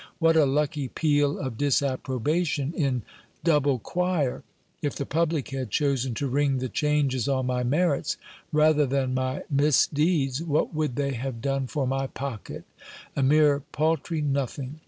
What a lucky peal of disapprobation in double choir ! If the public had chosen to ring the changes on my merits rather than my mis deeds, what would they have done for my pocket? A mere paltry nothing.